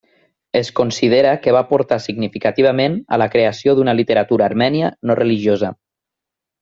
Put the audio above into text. Es considera que va aportar significativament a la creació d'una literatura armènia no religiosa.